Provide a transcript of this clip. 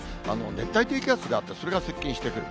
熱帯低気圧があって、それが接近してくる。